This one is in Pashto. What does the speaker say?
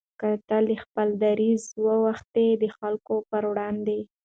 که ته له خپل دریځه واوښتې د خلکو پر وړاندې